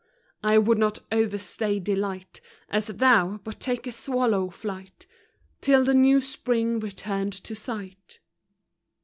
I would not overstay delight, As thou, but take a swallow flight, Till the new spring returned to sight.